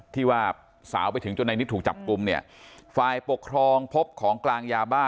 ที่ว่าสาวไปถึงจนในนิดถูกจับกลุ่มเนี่ยฝ่ายปกครองพบของกลางยาบ้า